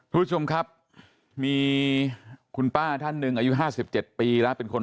ทุกชมครับมีคุณป้าท่านนึงอายุห้าสิบเจ็ดปีและเป็นคน